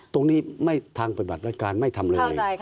ตรงนี้ไม่ทางประวัติราชการไม่ทำเลย